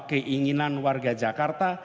untuk menjawab keinginan warga jakarta